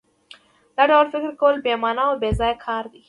دا ډول فکر کول بې مانا او بېځایه کار دی